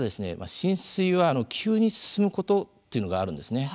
浸水は急に進むことっていうのがあるんですね。